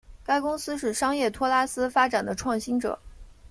该公司是商业托拉斯发展的创新者。